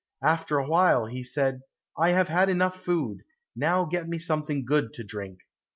After a while he said, "I have had enough food, now get me something good to drink."